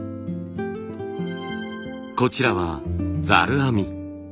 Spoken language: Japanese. こちらは「ざる編み」。